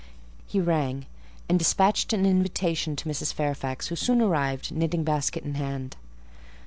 He rang, and despatched an invitation to Mrs. Fairfax, who soon arrived, knitting basket in hand.